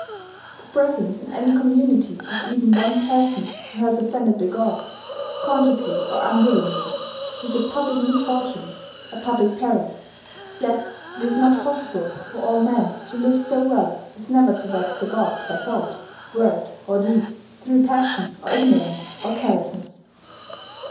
The presence in any community of even one person who has offended the gods, consciously or unwillingly, is a public misfortune, a public peril. Yet it is not possible for all men to live so well as never to vex the gods by thought, word, or deed, through passion or ignorance or carelessness.